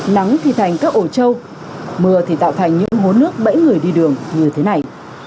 nắng thì thành các ổ trâu mưa thì tạo thành những hố nước bẫy người đi đường như thế này